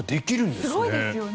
すごいですよね。